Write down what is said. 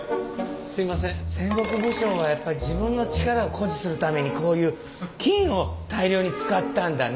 戦国武将はやっぱ自分の力を誇示するためにこういう金を大量に使ったんだね。